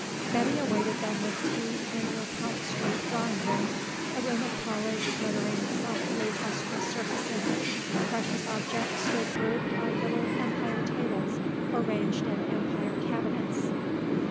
Betty awaited them with tea in her Pont Street drawing room, a room of polished, glittering, softly lustrous surfaces. Precious objects stood grouped on little Empire tables or ranged in Empire cabinets.